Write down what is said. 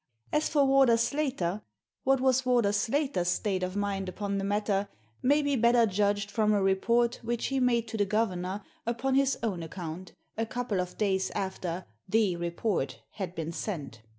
As for Warder Slater — what was Warder Slater's state of mind upon the matter may be better judged from a report which he made to the governor, upon his own account, a couple of days after " the " report had been sent.